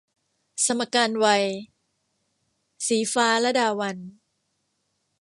สมการวัย - ศรีฟ้า ลดาวัลย์